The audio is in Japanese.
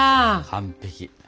完璧。